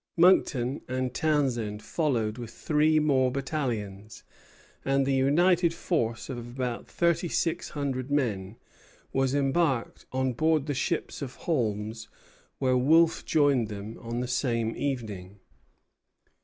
Monckton and Townshend followed with three more battalions, and the united force, of about thirty six hundred men, was embarked on board the ships of Holmes, where Wolfe joined them on the same evening.